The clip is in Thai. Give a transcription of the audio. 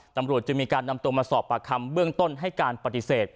ตำรวจจึงมีการนำตัวมาสอบปากคำเบื้องต้นให้การปฏิเสธ